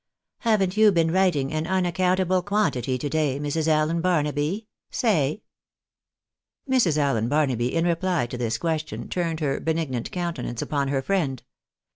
Haven't you been writing an . unaccountable quantity to day, Mrs. Allen Barnaby ?— Say." Mrs. Allen Barnaby in reply to this question turned her benig nant countenance upon her friend.